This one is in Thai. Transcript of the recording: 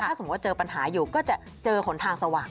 ถ้าสมมุติว่าเจอปัญหาอยู่ก็จะเจอหนทางสว่าง